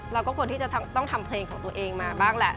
เราก็ควรที่จะต้องทำเพลงของตัวเองมาบ้างแหละ